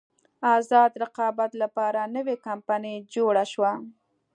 ازاد رقابت لپاره نوې کمپنۍ جوړه شوه.